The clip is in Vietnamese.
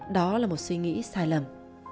đó là một suy nghĩ sai lầm